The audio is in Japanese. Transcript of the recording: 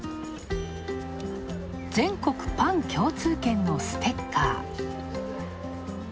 全国パン共通券のステッカー。